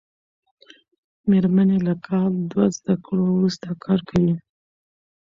مېرمن یې له کال دوه زده کړو وروسته کار کوي.